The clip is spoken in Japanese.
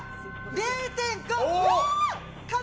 ０．５！